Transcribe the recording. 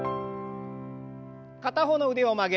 片方の腕を曲げ